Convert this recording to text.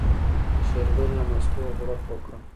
شېرګل له مستو غوړپ وکړ.